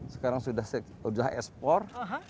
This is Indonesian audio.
sekarang sudah ekspor